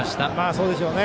そうでしょうね。